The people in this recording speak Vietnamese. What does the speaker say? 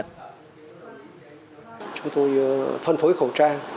chúng tôi phân phối khẩu trang